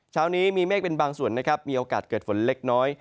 เช้านี้มีเมฆเป็นบางส่วนนะครับมีโอกาสเกิดฝนเล็กน้อย